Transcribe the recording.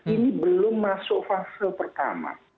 ini belum masuk fase pertama